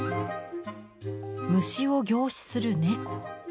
虫を凝視する猫。